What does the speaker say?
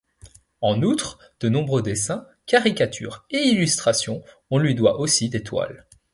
En outre de nombreux dessins, caricatures et illustrations, on lui doit aussi des toiles.